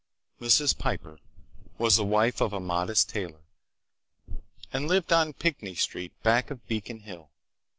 Mrs. Piper was the wife of a modest tailor, and lived on Pinckney street, back of Beacon Hill.